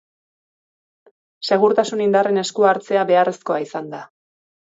Segurtasun indarren esku-hartzea beharrezkoa izan da.